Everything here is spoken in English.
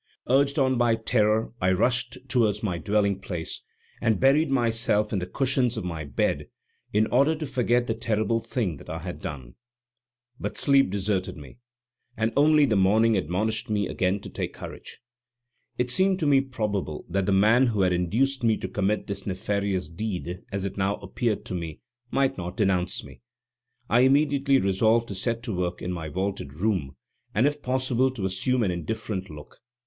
Urged on by terror, I rushed towards my dwelling place, and buried myself in the cushions of my bed, in order to forget the terrible thing that I had done. But sleep deserted me, and only the morning admonished me again to take courage. It seemed to me probable that the man who had induced me to commit this nefarious deed, as it now appeared to me, might not denounce me. I immediately resolved to set to work in my vaulted room, and if possible to assume an indifferent look.